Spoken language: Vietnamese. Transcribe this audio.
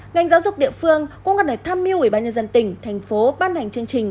ngành giáo dục địa phương cũng có thể tham mưu ủy ban nhân dân tỉnh thành phố ban hành chương trình